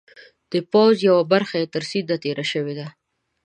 د پوځ یوه برخه یې تر سیند تېره شوې ده.